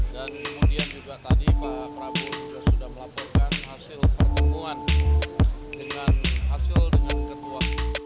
kemudian juga tadi pak prabowo sudah melaporkan hasil pertemuan dengan hasil dengan ketua